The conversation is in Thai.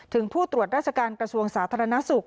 ผู้ตรวจราชการกระทรวงสาธารณสุข